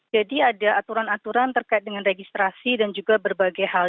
jadi ada aturan aturan terkait dengan registrasi dan juga berbagai hal